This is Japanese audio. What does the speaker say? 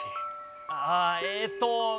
ああえっと別に。